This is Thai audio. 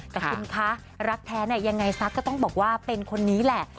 แต่คุณคะรักแท้เนี่ยยังไงซักก็ต้องบอกว่าเป็นคนนี้แหละ